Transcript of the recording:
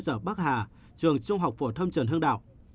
cơ sở bắc hà trường trung học phổ thông trần hưng đạo